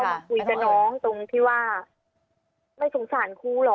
มาคุยกับน้องตรงที่ว่าไม่สงสารครูหรอก